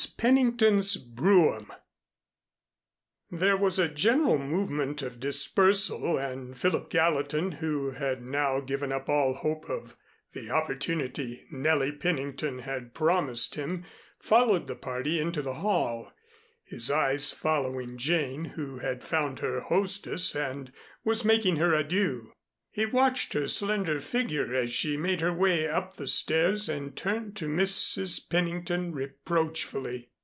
PENNINGTON'S BROUGHAM There was a general movement of dispersal, and Philip Gallatin, who had now given up all hope of the opportunity Nellie Pennington had promised him, followed the party into the hall, his eyes following Jane, who had found her hostess and was making her adieux. He watched her slender figure as she made her way up the stairs, and turned to Mrs. Pennington reproachfully.